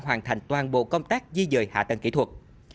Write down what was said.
hoàn thành toàn bộ công tác di dời hạ tầng kỹ thuật